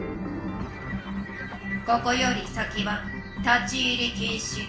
ここより先は立ち入りきん止！